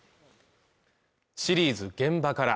シリーズ「現場から」